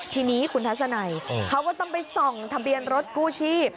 ทีนี้คุณทัศนัยเขาก็ต้องไปส่องทะเบียนรถกู้ชีพ